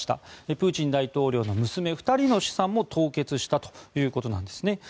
プーチン大統領の娘２人の資産も凍結したということなんですね。